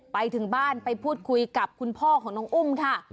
ไปถึงบ้านไปพูดคุยกับคุณพ่อของน้องอุ้มค่ะ